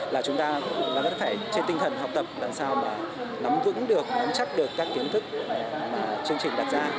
là chúng ta vẫn phải trên tinh thần học tập làm sao mà nắm vững được nắm chắc được các kiến thức chương trình đặt ra